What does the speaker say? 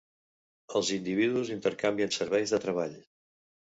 Els individus intercanvien serveis de treball.